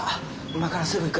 今からすぐ行く。